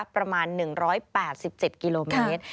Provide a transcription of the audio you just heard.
ประมาณ๑๘๗กิโลเมตร